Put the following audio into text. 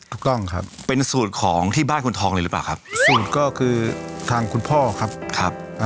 ถูกต้องครับเป็นสูตรของที่บ้านคุณทองเลยหรือเปล่าครับสูตรก็คือทางคุณพ่อครับครับ